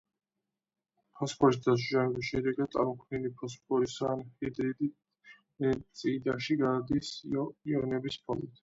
ფოსფორის დაჟანგვის შედეგად წარმოქმნილი ფოსფორის ანჰიდრიდი წიდაში გადადის იონების ფორმით.